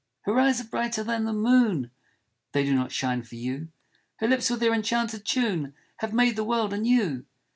"Her eyes are brighter than the moon !" They do not shine for you " Her lips with their enchanted tune Have made the world anew